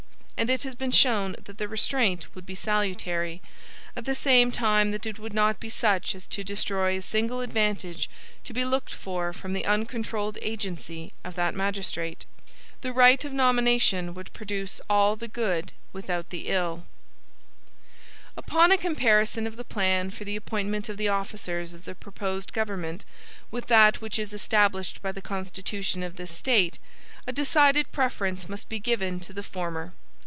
And it has been shown that the restraint would be salutary, at the same time that it would not be such as to destroy a single advantage to be looked for from the uncontrolled agency of that Magistrate. The right of nomination would produce all the (good, without the ill.)(E1) (good of that of appointment, and would in a great measure avoid its evils.)(E1) Upon a comparison of the plan for the appointment of the officers of the proposed government with that which is established by the constitution of this State, a decided preference must be given to the former.